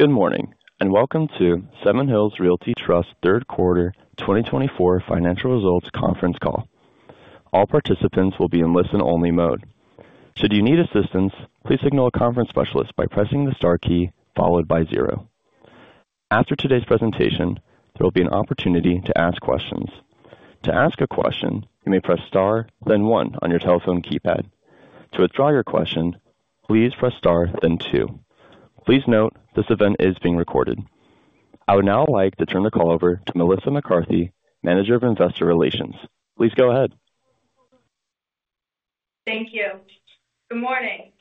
Good morning, and welcome to Seven Hills Realty Trust Third Quarter 2024 Financial Results Conference Call. All participants will be in listen-only mode. Should you need assistance, please signal a conference specialist by pressing the star key followed by zero. After today's presentation, there will be an opportunity to ask questions. To ask a question, you may press star, then one on your telephone keypad. To withdraw your question, please press star, then two. Please note this event is being recorded. I would now like to turn the call over to Melissa McCarthy, Manager of Investor Relations. Please go ahead. Thank you. Good morning.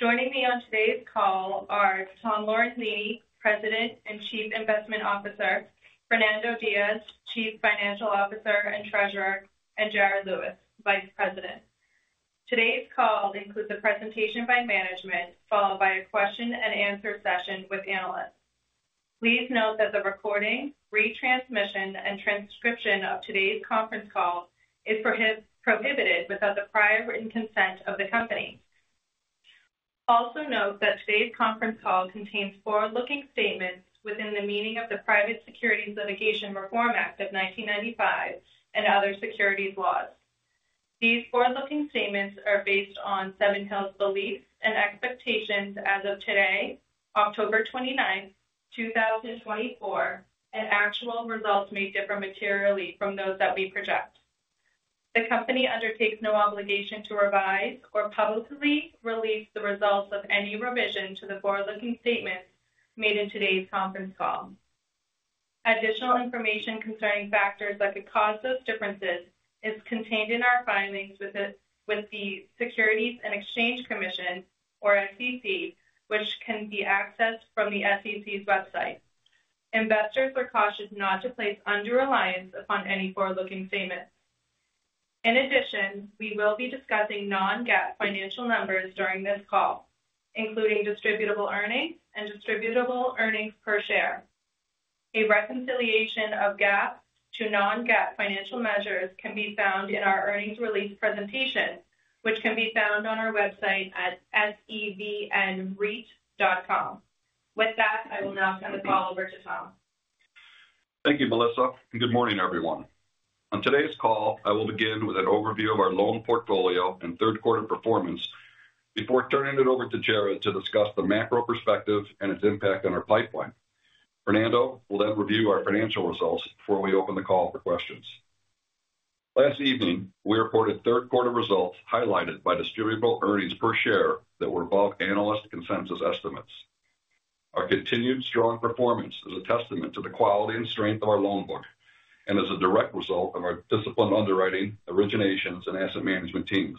Joining me on today's call are Tom Lorenzini, President and Chief Investment Officer, Fernando Diaz, Chief Financial Officer and Treasurer, and Jared Lewis, Vice President. Today's call includes a presentation by management followed by a question-and-answer session with analysts. Please note that the recording, retransmission, and transcription of today's conference call is prohibited without the prior written consent of the company. Also note that today's conference call contains forward-looking statements within the meaning of the Private Securities Litigation Reform Act of 1995 and other securities laws. These forward-looking statements are based on Seven Hills' beliefs and expectations as of today, October 29th, 2024, and actual results may differ materially from those that we project. The company undertakes no obligation to revise or publicly release the results of any revision to the forward-looking statements made in today's conference call. Additional information concerning factors that could cause those differences is contained in our filings with the Securities and Exchange Commission, or SEC, which can be accessed from the SEC's website. Investors are cautious not to place undue reliance upon any forward-looking statements. In addition, we will be discussing non-GAAP financial numbers during this call, including distributable earnings and distributable earnings per share. A reconciliation of GAAP to non-GAAP financial measures can be found in our earnings release presentation, which can be found on our website at sevenhillsreit.com. With that, I will now turn the call over to Tom. Thank you, Melissa. Good morning, everyone. On today's call, I will begin with an overview of our loan portfolio and third-quarter performance before turning it over to Jared to discuss the macro perspective and its impact on our pipeline. Fernando will then review our financial results before we open the call for questions. Last evening, we reported third-quarter results highlighted by distributable earnings per share that were above analyst consensus estimates. Our continued strong performance is a testament to the quality and strength of our loan book and is a direct result of our disciplined underwriting, originations, and asset management teams.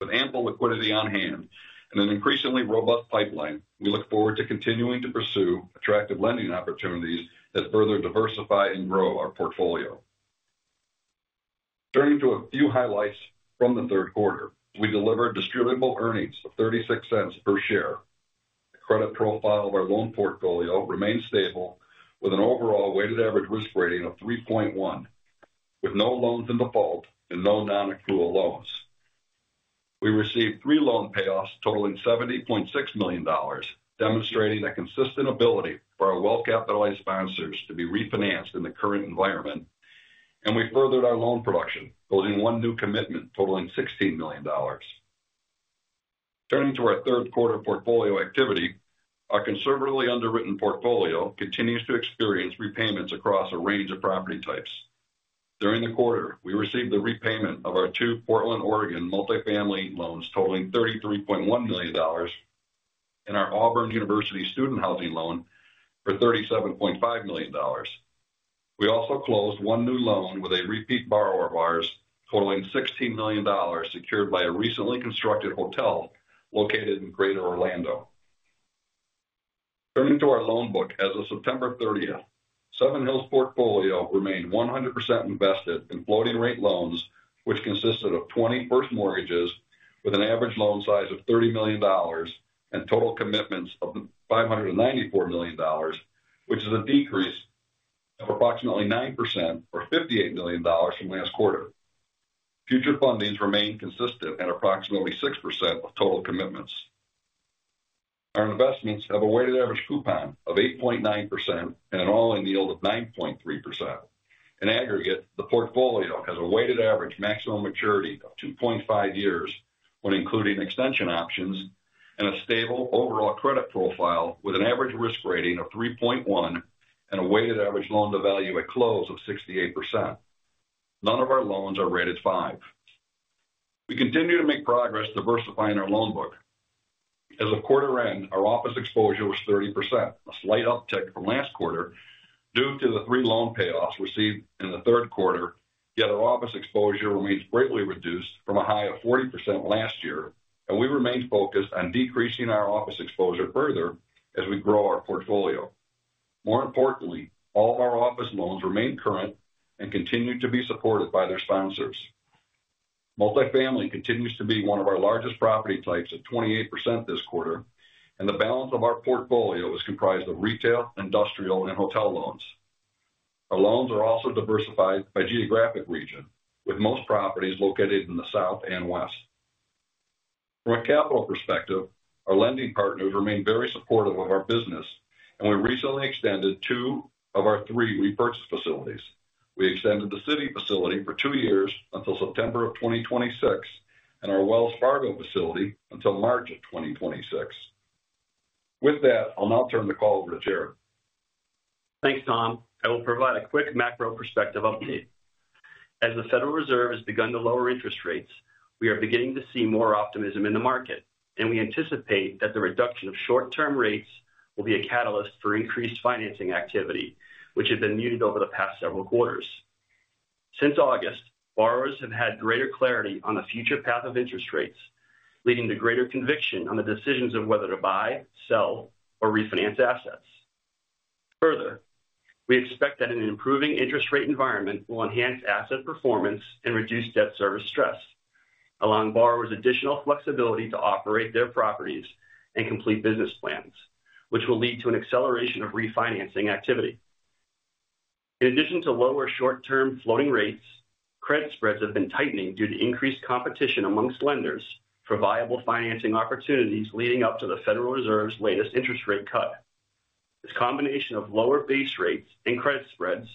With ample liquidity on hand and an increasingly robust pipeline, we look forward to continuing to pursue attractive lending opportunities that further diversify and grow our portfolio. Turning to a few highlights from the third quarter, we delivered distributable earnings of $0.36 per share. The credit profile of our loan portfolio remains stable with an overall weighted average risk rating of 3.1, with no loans in default and no non-accrual loans. We received three loan payoffs totaling $70.6 million, demonstrating a consistent ability for our well-capitalized sponsors to be refinanced in the current environment, and we furthered our loan production, closing one new commitment totaling $16 million. Turning to our third-quarter portfolio activity, our conservatively underwritten portfolio continues to experience repayments across a range of property types. During the quarter, we received the repayment of our two Portland, Oregon multifamily loans totaling $33.1 million and our Auburn University student housing loan for $37.5 million. We also closed one new loan with a repeat borrower of ours totaling $16 million secured by a recently constructed hotel located in Greater Orlando. Turning to our loan book, as of September 30th, Seven Hills' portfolio remained 100% invested in floating-rate loans, which consisted of 20 first mortgages with an average loan size of $30 million and total commitments of $594 million, which is a decrease of approximately 9% or $58 million from last quarter. Future fundings remain consistent at approximately 6% of total commitments. Our investments have a weighted average coupon of 8.9% and an all-in yield of 9.3%. In aggregate, the portfolio has a weighted average maximum maturity of 2.5 years when including extension options and a stable overall credit profile with an average risk rating of 3.1 and a weighted average loan-to-value at close of 68%. None of our loans are rated 5. We continue to make progress diversifying our loan book. As the quarter end, our office exposure was 30%, a slight uptick from last quarter due to the three loan payoffs received in the third quarter, yet our office exposure remains greatly reduced from a high of 40% last year, and we remain focused on decreasing our office exposure further as we grow our portfolio. More importantly, all of our office loans remain current and continue to be supported by their sponsors. Multifamily continues to be one of our largest property types at 28% this quarter, and the balance of our portfolio is comprised of retail, industrial, and hotel loans. Our loans are also diversified by geographic region, with most properties located in the south and west. From a capital perspective, our lending partners remain very supportive of our business, and we recently extended two of our three repurchase facilities. We extended the citi facility for two years until September of 2026 and our Wells Fargo facility until March of 2026. With that, I'll now turn the call over to Jared. Thanks, Tom. I will provide a quick macro perspective update. As the Federal Reserve has begun to lower interest rates, we are beginning to see more optimism in the market, and we anticipate that the reduction of short-term rates will be a catalyst for increased financing activity, which has been muted over the past several quarters. Since August, borrowers have had greater clarity on the future path of interest rates, leading to greater conviction on the decisions of whether to buy, sell, or refinance assets. Further, we expect that an improving interest rate environment will enhance asset performance and reduce debt service stress, allowing borrowers additional flexibility to operate their properties and complete business plans, which will lead to an acceleration of refinancing activity. In addition to lower short-term floating rates, credit spreads have been tightening due to increased competition among lenders for viable financing opportunities leading up to the Federal Reserve's latest interest rate cut. This combination of lower base rates and credit spreads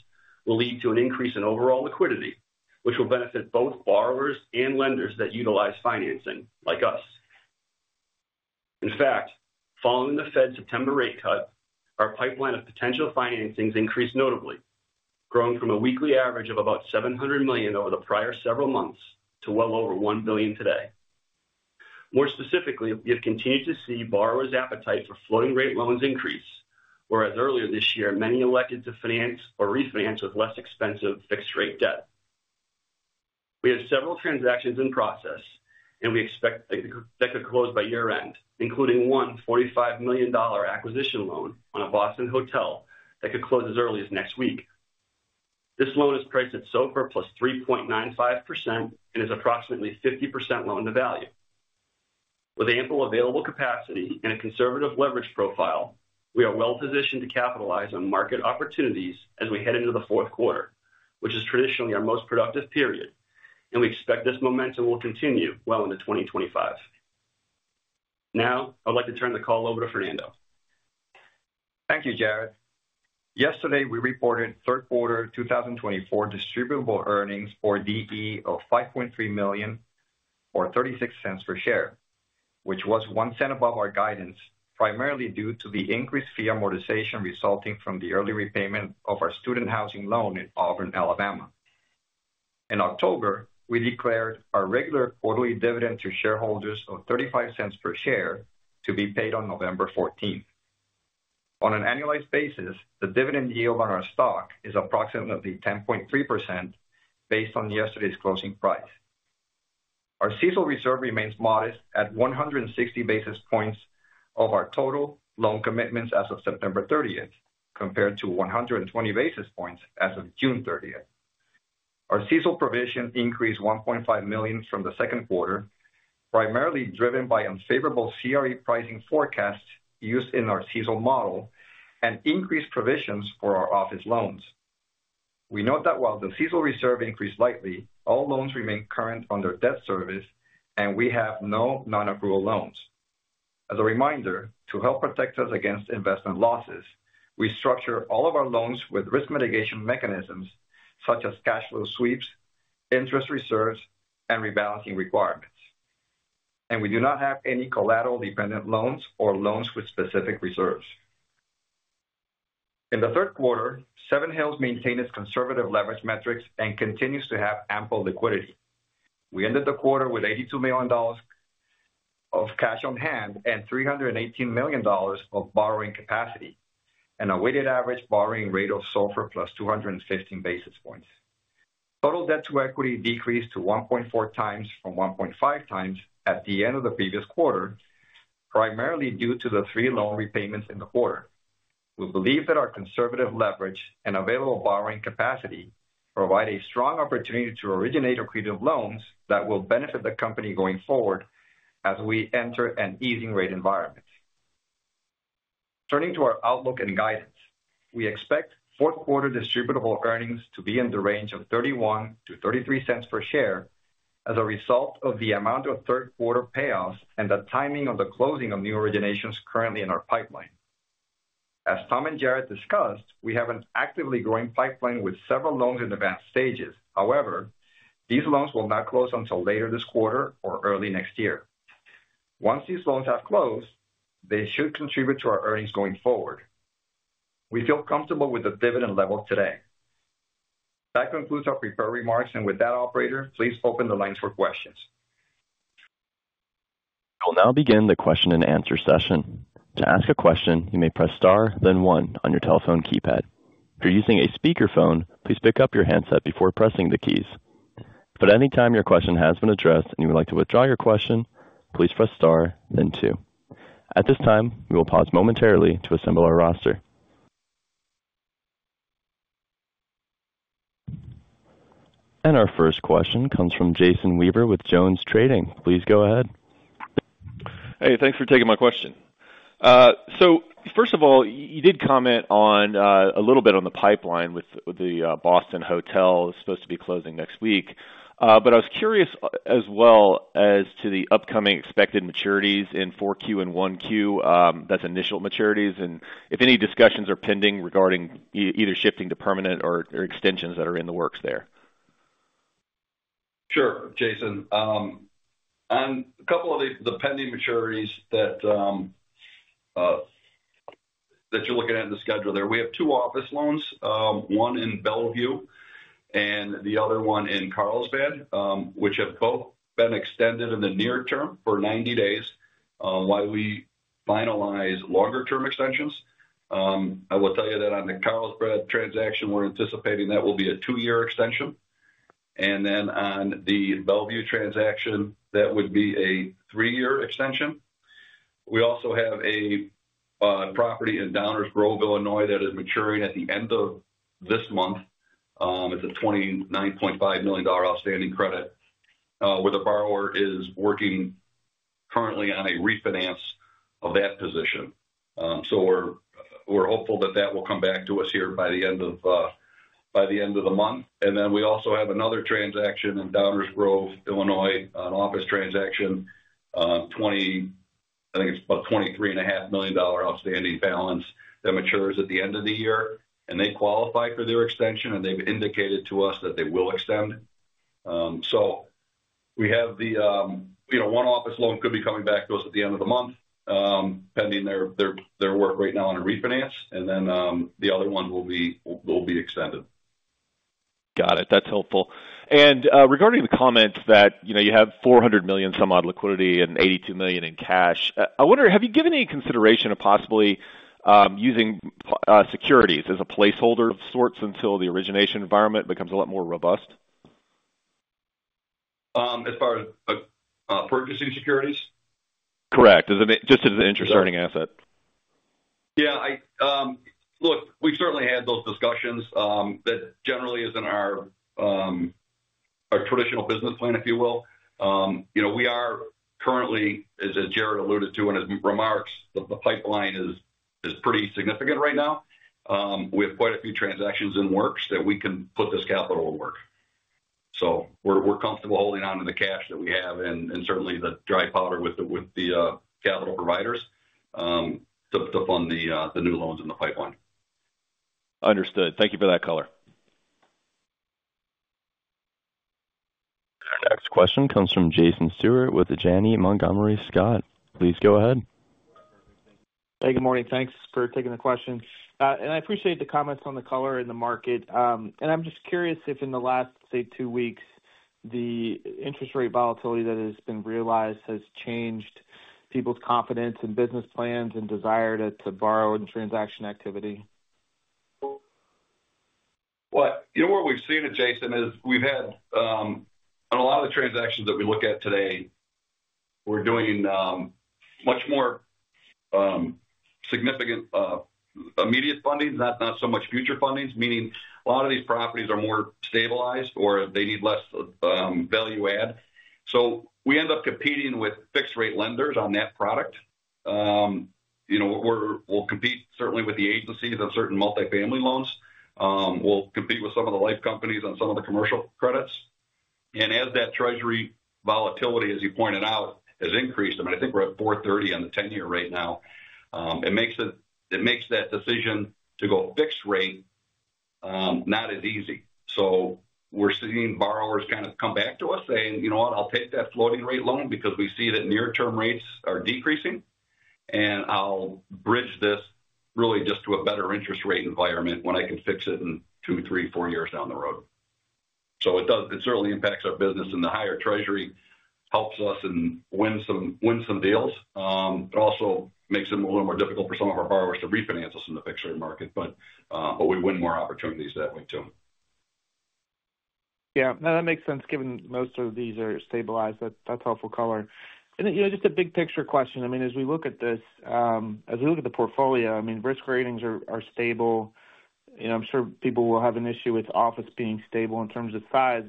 will lead to an increase in overall liquidity, which will benefit both borrowers and lenders that utilize financing, like us. In fact, following the Fed's September rate cut, our pipeline of potential financings increased notably, growing from a weekly average of about $700 million over the prior several months to well over $1 billion today. More specifically, we have continued to see borrowers' appetite for floating-rate loans increase, whereas earlier this year, many elected to finance or refinance with less expensive fixed-rate debt. We have several transactions in process, and we expect that could close by year-end, including one $45 million acquisition loan on a Boston hotel that could close as early as next week. This loan is priced at SOFR plus 3.95% and is approximately 50% loan-to-value. With ample available capacity and a conservative leverage profile, we are well-positioned to capitalize on market opportunities as we head into the fourth quarter, which is traditionally our most productive period, and we expect this momentum will continue well into 2025. Now, I would like to turn the call over to Fernando. Thank you, Jared. Yesterday, we reported third quarter 2024 distributable earnings for DE of $5.3 million or $0.36 per share, which was one cent above our guidance, primarily due to the increased fee amortization resulting from the early repayment of our student housing loan in Auburn, Alabama. In October, we declared our regular quarterly dividend to shareholders of $0.35 per share to be paid on November 14th. On an annualized basis, the dividend yield on our stock is approximately 10.3% based on yesterday's closing price. Our CECL reserve remains modest at 160 basis points of our total loan commitments as of September 30th, compared to 120 basis points as of June 30th. Our CECL provision increased $1.5 million from the second quarter, primarily driven by unfavorable CRE pricing forecasts used in our CECL model and increased provisions for our office loans. We note that while the CECL reserve increased slightly, all loans remain current under debt service, and we have no non-accrual loans. As a reminder, to help protect us against investment losses, we structure all of our loans with risk mitigation mechanisms such as cash flow sweeps, interest reserves, and rebalancing requirements, and we do not have any collateral-dependent loans or loans with specific reserves. In the third quarter, Seven Hills maintained its conservative leverage metrics and continues to have ample liquidity. We ended the quarter with $82 million of cash on hand and $318 million of borrowing capacity and a weighted average borrowing rate of SOFR plus 215 basis points. Total debt to equity decreased to 1.4 times from 1.5 times at the end of the previous quarter, primarily due to the three loan repayments in the quarter. We believe that our conservative leverage and available borrowing capacity provide a strong opportunity to originate more creative loans that will benefit the company going forward as we enter an easing rate environment. Turning to our outlook and guidance, we expect fourth-quarter distributable earnings to be in the range of $0.31-$0.33 per share as a result of the amount of third-quarter payoffs and the timing of the closing of new originations currently in our pipeline. As Tom and Jared discussed, we have an actively growing pipeline with several loans in advanced stages. However, these loans will not close until later this quarter or early next year. Once these loans have closed, they should contribute to our earnings going forward. We feel comfortable with the dividend level today. That concludes our prepared remarks, and with that, Operator, please open the lines for questions. We'll now begin the question and answer session. To ask a question, you may press star, then one on your telephone keypad. If you're using a speakerphone, please pick up your handset before pressing the keys. If at any time your question has been addressed and you would like to withdraw your question, please press star, then two. At this time, we will pause momentarily to assemble our roster. And our first question comes from Jason Weaver with JonesTrading. Please go ahead. Hey, thanks for taking my question. So first of all, you did comment a little bit on the pipeline with the Boston hotel supposed to be closing next week, but I was curious as well as to the upcoming expected maturities in 4Q and 1Q, that's initial maturities, and if any discussions are pending regarding either shifting to permanent or extensions that are in the works there. Sure, Jason. A couple of the pending maturities that you're looking at in the schedule there, we have two office loans, one in Bellevue and the other one in Carlsbad, which have both been extended in the near term for 90 days while we finalize longer-term extensions. I will tell you that on the Carlsbad transaction, we're anticipating that will be a two-year extension, and then on the Bellevue transaction, that would be a three-year extension. We also have a property in Downers Grove, Illinois, that is maturing at the end of this month. It's a $29.5 million outstanding credit, where the borrower is working currently on a refinance of that position. We're hopeful that that will come back to us here by the end of the month. And then we also have another transaction in Downers Grove, Illinois, an office transaction. I think it's about $23.5 million outstanding balance that matures at the end of the year, and they qualify for their extension, and they've indicated to us that they will extend. So we have the one office loan could be coming back to us at the end of the month, pending their work right now on a refinance, and then the other one will be extended. Got it. That's helpful. And regarding the comment that you have $400 million-some-odd liquidity and $82 million in cash, I wonder, have you given any consideration of possibly using securities as a placeholder of sorts until the origination environment becomes a lot more robust? As far as purchasing securities? Correct. Just as an interest-earning asset. Yeah. Look, we've certainly had those discussions. That generally is in our traditional business plan, if you will. We are currently, as Jared alluded to in his remarks, the pipeline is pretty significant right now. We have quite a few transactions in works that we can put this capital in work. So we're comfortable holding on to the cash that we have and certainly the dry powder with the capital providers to fund the new loans in the pipeline. Understood. Thank you for that, color. Our next question comes from Jason Stewart with the Janney Montgomery Scott. Please go ahead. Hey, good morning. Thanks for taking the question. And I appreciate the comments on the color in the market. And I'm just curious if in the last, say, two weeks, the interest rate volatility that has been realized has changed people's confidence in business plans and desire to borrow and transaction activity? You know what we've seen, Jason, is we've had, on a lot of the transactions that we look at today, we're doing much more significant immediate funding, not so much future funding, meaning a lot of these properties are more stabilized or they need less value-add. So we end up competing with fixed-rate lenders on that product. We'll compete certainly with the agencies on certain multifamily loans. We'll compete with some of the life companies on some of the commercial credits. And as that treasury volatility, as you pointed out, has increased, I mean, I think we're at 430 on the 10-year right now, it makes that decision to go fixed rate not as easy. So we're seeing borrowers kind of come back to us saying, "You know what? I'll take that floating-rate loan because we see that near-term rates are decreasing, and I'll bridge this really just to a better interest rate environment when I can fix it in two, three, four years down the road." So it certainly impacts our business, and the higher treasury helps us win some deals. It also makes it a little more difficult for some of our borrowers to refinance us in the fixed-rate market, but we win more opportunities that way too. Yeah. No, that makes sense given most of these are stabilized. That's helpful, color. Just a big picture question. I mean, as we look at this, as we look at the portfolio, I mean, risk ratings are stable. I'm sure people will have an issue with office being stable in terms of size,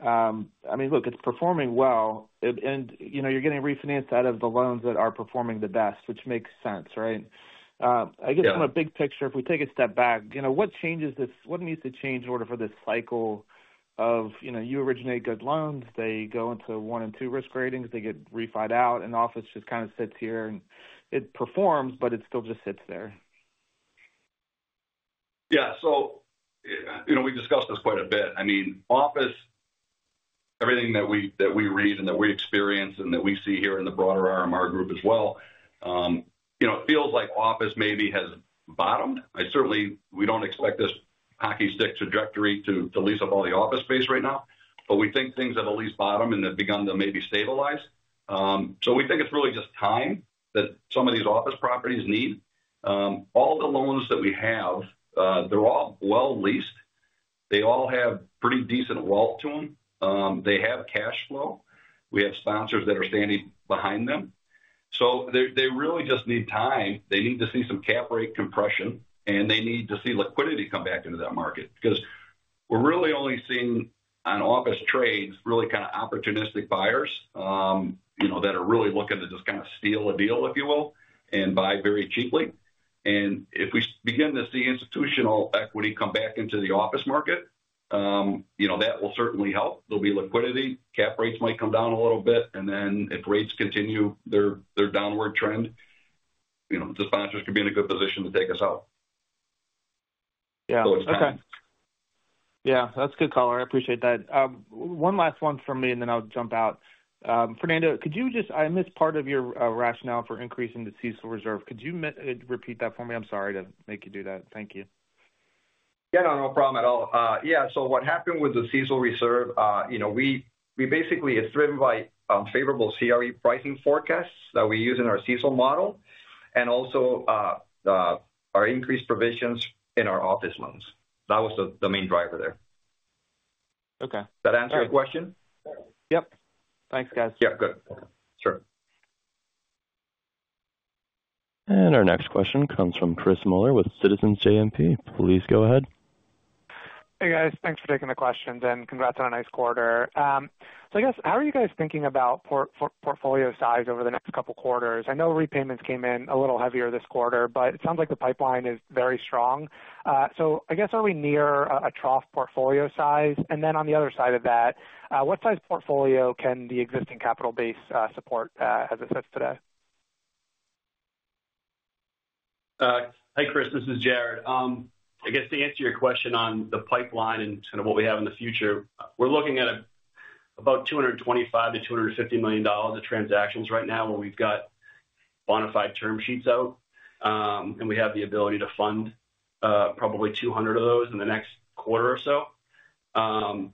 but I mean, look, it's performing well, and you're getting refinanced out of the loans that are performing the best, which makes sense, right? I guess from a big picture, if we take a step back, what changes this? What needs to change in order for this cycle of you originate good loans, they go into one and two risk ratings, they get refinanced out, and office just kind of sits here and it performs, but it still just sits there? Yeah. So we discussed this quite a bit. I mean, office, everything that we read and that we experience and that we see here in the broader RMR Group as well, it feels like office maybe has bottomed. Certainly, we don't expect this hockey stick trajectory to lease up all the office space right now, but we think things have at least bottomed and have begun to maybe stabilize. So we think it's really just time that some of these office properties need. All the loans that we have, they're all well-leased. They all have pretty decent wherewithal to them. They have cash flow. We have sponsors that are standing behind them. So they really just need time. They need to see some cap rate compression, and they need to see liquidity come back into that market because we're really only seeing on office trades really kind of opportunistic buyers that are really looking to just kind of steal a deal, if you will, and buy very cheaply, and if we begin to see institutional equity come back into the office market, that will certainly help. There'll be liquidity. Cap rates might come down a little bit, and then if rates continue their downward trend, the sponsors could be in a good position to take us out. Yeah. Okay. Yeah. That's good color. I appreciate that. One last one from me, and then I'll jump out. Fernando, could you just, I missed part of your rationale for increasing the CECL reserve. Could you repeat that for me? I'm sorry to make you do that. Thank you. Yeah. No, no problem at all. Yeah. So what happened with the CECL reserve, we basically. It's driven by favorable CRE pricing forecasts that we use in our CECL model and also our increased provisions in our office loans. That was the main driver there. Does that answer your question? Yep. Thanks, guys. Yeah. Good. Sure. And our next question comes from Chris Muller with Citizens JMP. Please go ahead. Hey, guys. Thanks for taking the questions, and congrats on a nice quarter. So I guess, how are you guys thinking about portfolio size over the next couple of quarters? I know repayments came in a little heavier this quarter, but it sounds like the pipeline is very strong. So I guess, are we near a trough portfolio size? And then on the other side of that, what size portfolio can the existing capital base support as it sits today? Hey, Chris. This is Jared. I guess to answer your question on the pipeline and kind of what we have in the future, we're looking at about $225-$250 million of transactions right now where we've got bona fide term sheets out, and we have the ability to fund probably 200 of those in the next quarter or so.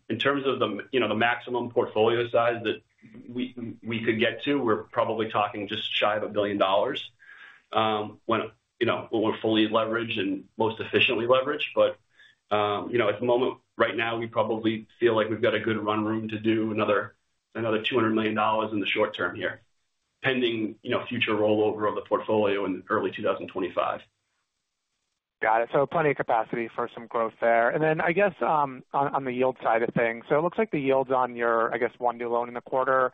In terms of the maximum portfolio size that we could get to, we're probably talking just shy of a billion dollars when we're fully leveraged and most efficiently leveraged. But at the moment right now, we probably feel like we've got a good run room to do another $200 million in the short term here, pending future rollover of the portfolio in early 2025. Got it. So plenty of capacity for some growth there. And then I guess on the yield side of things, so it looks like the yields on your, I guess, one new loan in the quarter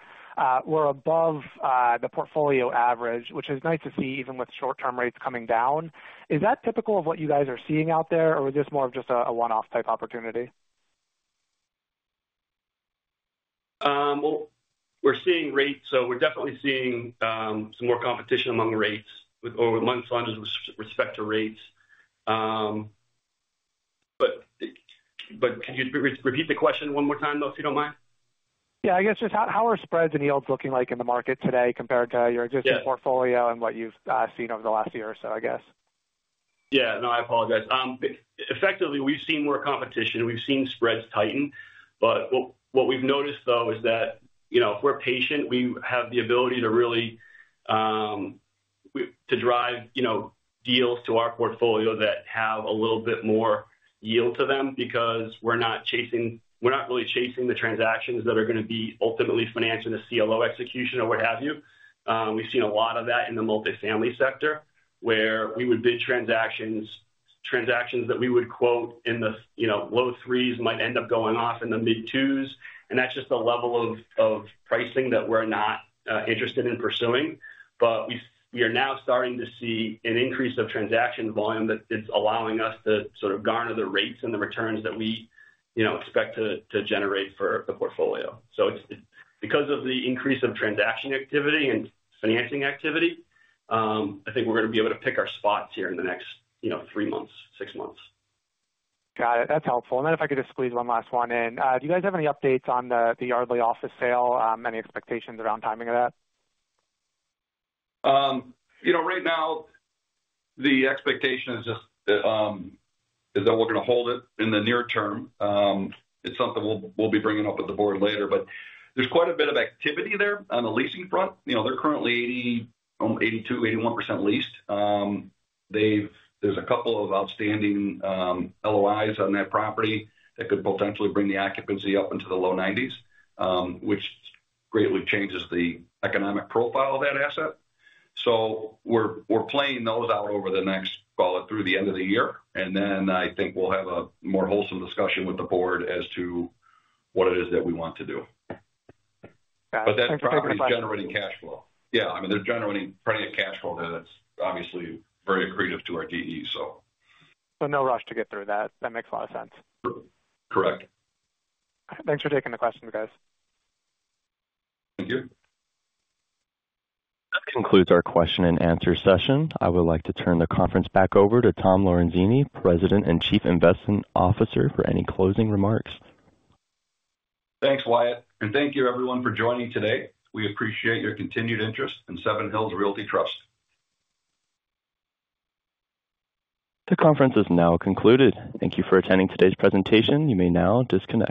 were above the portfolio average, which is nice to see even with short-term rates coming down. Is that typical of what you guys are seeing out there, or is this more of just a one-off type opportunity? We're seeing rates. So we're definitely seeing some more competition among lenders on with respect to rates. But can you repeat the question one more time, though, if you don't mind? Yeah. I guess just how are spreads and yields looking like in the market today compared to your existing portfolio and what you've seen over the last year or so, I guess? Yeah. No, I apologize. Effectively, we've seen more competition. We've seen spreads tighten. But what we've noticed, though, is that if we're patient, we have the ability to really drive deals to our portfolio that have a little bit more yield to them because we're not really chasing the transactions that are going to be ultimately financing the CLO execution or what have you. We've seen a lot of that in the multifamily sector where we would bid transactions that we would quote in the low threes might end up going off in the mid-twos. And that's just the level of pricing that we're not interested in pursuing. But we are now starting to see an increase of transaction volume that is allowing us to sort of garner the rates and the returns that we expect to generate for the portfolio. So because of the increase of transaction activity and financing activity, I think we're going to be able to pick our spots here in the next three months, six months. Got it. That's helpful. And then if I could just squeeze one last one in, do you guys have any updates on the Yardley office sale? Any expectations around timing of that? Right now, the expectation is that we're going to hold it in the near term. It's something we'll be bringing up with the board later. But there's quite a bit of activity there on the leasing front. They're currently 82-81% leased. There's a couple of outstanding LOIs on that property that could potentially bring the occupancy up into the low 90s, which greatly changes the economic profile of that asset. So we're playing those out over the next, call it, through the end of the year. And then I think we'll have a more wholesome discussion with the board as to what it is that we want to do. Got it. That's great. But that property is generating cash flow. Yeah. I mean, they're generating plenty of cash flow there that's obviously very accretive to our DE, so. So no rush to get through that. That makes a lot of sense. Correct. Thanks for taking the question, guys. Thank you. That concludes our question and answer session. I would like to turn the conference back over to Tom Lorenzini, President and Chief Investment Officer, for any closing remarks. Thanks, Wyatt. And thank you, everyone, for joining today. We appreciate your continued interest in Seven Hills Realty Trust. The conference is now concluded. Thank you for attending today's presentation. You may now disconnect.